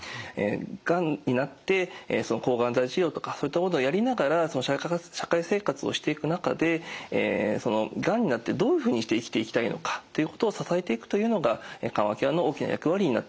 がんになって抗がん剤治療とかそういったものをやりながら社会生活をしていく中でがんになってどういうふうにして生きていきたいのかっていうことを支えていくというのが緩和ケアの大きな役割になってきています。